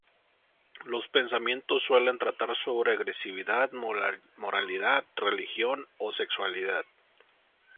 Los pensamientos suelen tratar sobre agresividad, moralidad, religión o sexualidad.